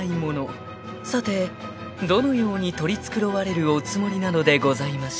［さてどのように取り繕われるおつもりなのでございましょう］